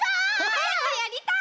はやくやりたい！